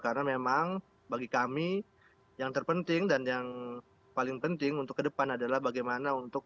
karena memang bagi kami yang terpenting dan yang paling penting untuk ke depan adalah bagaimana untuk